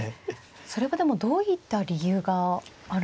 それはでもどういった理由があるんですか。